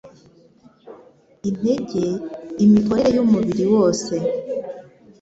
intege imikorere y’umubiri wose.